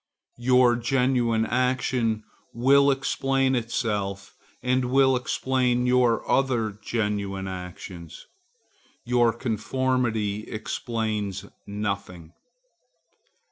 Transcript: Your genuine action will explain itself and will explain your other genuine actions. Your conformity explains nothing.